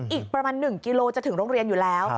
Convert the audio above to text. อีกประมาณ๑กิโลจะถึงโรงเรียนอยู่แล้ว